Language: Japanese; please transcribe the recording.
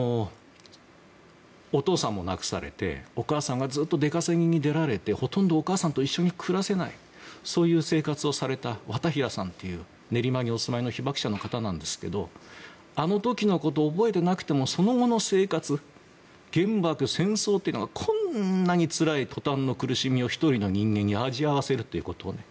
お父さんも亡くされてお母さんが、ずっと出稼ぎに出られてほとんどずっとお母さんと一緒に暮らせないそういう生活をされたワタヒラさんという練馬にお住まいの被爆者の方なんですがあの時のことを覚えてなくてもその後の生活原爆、戦争というのがこんなにつらい苦しみを１人の人間に味わわせるということ。